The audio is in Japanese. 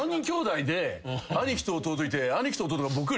兄貴と弟いて。